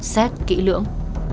xét kỹ lưỡng